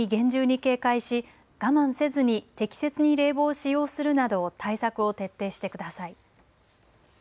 熱中症に厳重に警戒し我慢せずに適切に冷房使用するなど対策を徹底してください。